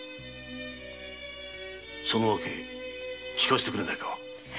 その訳聞かせてくれないか。